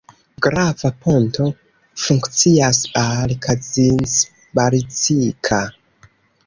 Grava ponto funkcias al Kazincbarcika.